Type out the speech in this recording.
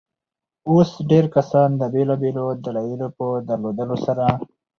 اوس ډېرى کسان د بېلابيلو دلايلو په درلودلو سره.